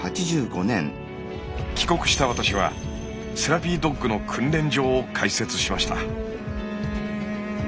帰国した私はセラピードッグの訓練場を開設しました。